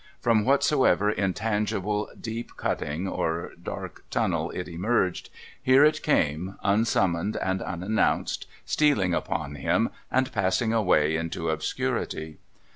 From whatsoever intangible deep cutting or dark tunnel it emerged, here it came, unsummoned and unan nounced, stealing upon him, and passing away into obscurity.